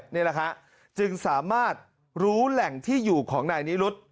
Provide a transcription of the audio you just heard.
นี่แหละฮะจึงสามารถรู้แหล่งที่อยู่ของนายนิรุธ